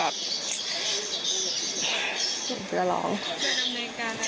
พี่น้องวาหรือว่าน้องวาหรือ